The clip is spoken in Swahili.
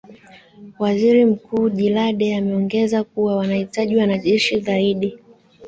waziri mkuu jilade ameongeza kuwa wanahitaji wanajeshi zaidi